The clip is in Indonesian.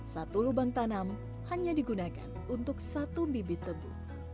satu lubang tanam hanya digunakan untuk satu bibit tebu